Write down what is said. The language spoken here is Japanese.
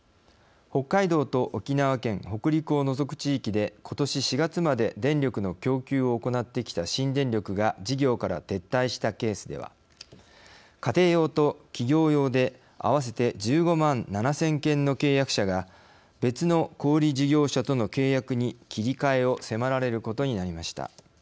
北海道と沖縄県北陸を除く地域でことし４月まで電力の供給を行ってきた新電力が事業から撤退したケースでは家庭用と企業用で合わせて１５万７０００件の契約者が別の小売事業者との契約に切り替えを迫られることになりました。